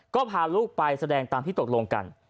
ก็พาลูกไปแสดงตามที่ตกลงกัน